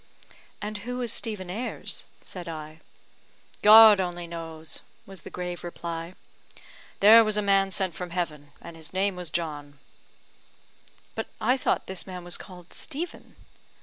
"And who is Stephen Ayres?" said I. "God only knows," was the grave reply. "There was a man sent from heaven, and his name was John." "But I thought this man was called Stephen?"